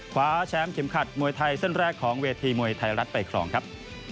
คว้าแชมป์เข็มขัดมวยไทยเส้นแรกของเวทีมวยไทยรัฐไปครองครับ